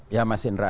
ya mas indra